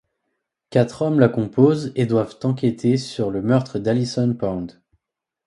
Quatre hommes la composent et doivent enquêter sur le meurtre d'Allison Pond.